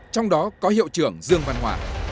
trong đó có hiệu trưởng dương văn hòa